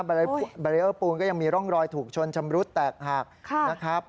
แบรีเออร์ปูนก็ยังมีร่องรอยถูกชนชำรุดแตกหักนะครับ